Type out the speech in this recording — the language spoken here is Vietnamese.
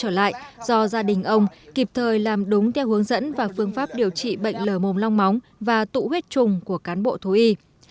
trong khi đó tại thôn chiêm đức đàn bò bảy con lớn nhỏ của gia đình ông mạnh thế đồng kịp thời làm đúng theo hướng dẫn và phương pháp điều trị bệnh lờ mồm long móng và tụ huyết trùng của cán bộ thú y